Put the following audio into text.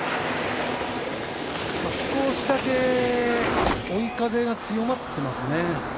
少しだけ追い風が強まっていますね。